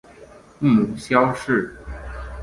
母萧氏。